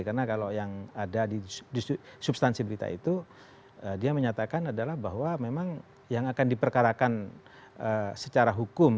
karena kalau yang ada di substansi berita itu dia menyatakan adalah bahwa memang yang akan diperkarakan secara hukum